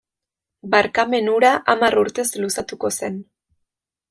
Barkamen hura, hamar urtez luzatuko zen.